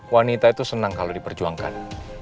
wanita itu senang kalau diperjuangkan